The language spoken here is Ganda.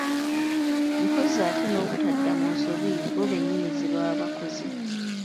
Mpozzi ate nobutadda mu nsobi bo bennyini ze baba bakoze.